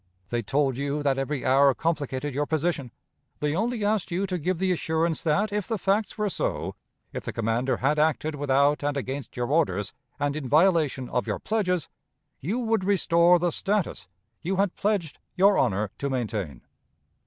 They told you that every hour complicated your position. They only asked you to give the assurance that, if the facts were so if the commander had acted without and against your orders, and in violation of your pledges you would restore the status you had pledged your honor to maintain.